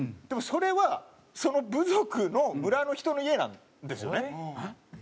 でもそれはその部族の村の人の家なんですよね。